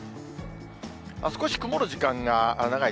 少し曇る時間が長い